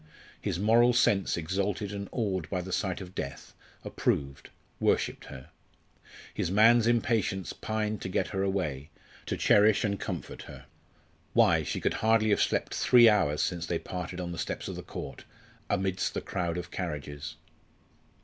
His moral sense, exalted and awed by the sight of death, approved, worshipped her. His man's impatience pined to get her away, to cherish and comfort hen Why, she could hardly have slept three hours since they parted on the steps of the Court, amidst the crowd of carriages!